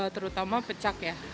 terutama pecak ya